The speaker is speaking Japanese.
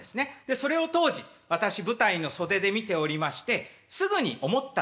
それを当時私舞台の袖で見ておりましてすぐに思ったんです。